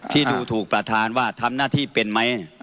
ที่ดูถูกประธานว่าทำหน้าที่เป็นไหม